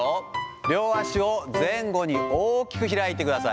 両足を前後に大きく開いてください。